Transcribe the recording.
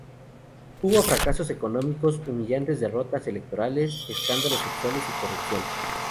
Hubo fracasos económicos, humillantes derrotas electorales, escándalos sexuales y corrupción.